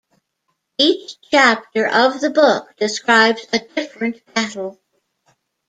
Each chapter of the book describes a different battle.